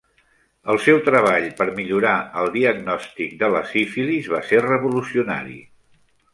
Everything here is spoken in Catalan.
El seu treball per millorar el diagnòstic de la sífilis va ser revolucionari.